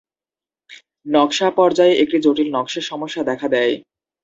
নকশা পর্যায়ে একটি জটিল নকশা সমস্যা দেখা দেয়।